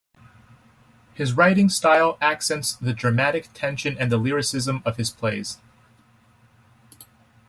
His writing style accents the dramatic tension and the lyricism of his plays.